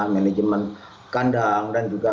manajemen kandang dan juga